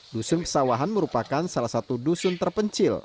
dusun pesawahan merupakan salah satu dusun terpencil